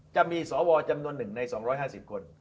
จะมีสวจำนวนหนึ่งใน๒๕๐คน